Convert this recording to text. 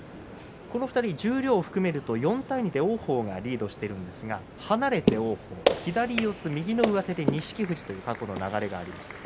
この２人十両を含めますと４対２で王鵬がリードしています離れて王鵬左四つ右の上手で錦富士という過去の流れがあります。